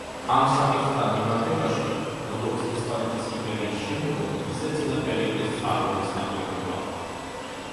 ამ საკითხთან მიმართებაში, როგორც ესპანეთის იმპერიის შემდგომი, ისე წინა პერიოდის წყაროების ნაკლებობაა.